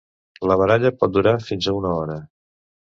La baralla pot durar fins a una hora.